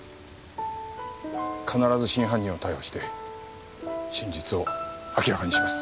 必ず真犯人を逮捕して真実を明らかにします。